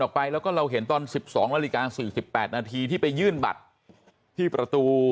ไปแล้วก็เราเห็นตอน๑๒นาฬิกา๔๘นาทีที่ไปยื่นบัตรที่ประตู